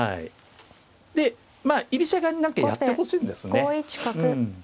でまあ居飛車側に何かやってほしいんですね。